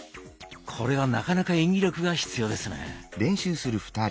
これはなかなか演技力が必要ですね。